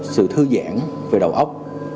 sự thư giãn về đầu óc